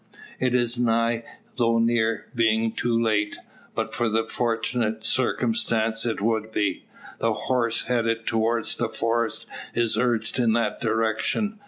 It is nigh, though near being too late. But for a fortunate circumstance, it would be. The horse, headed towards the forest, is urged in that direction.